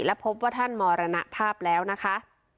และพบว่าท่านมรณภาพแล้วนะคะ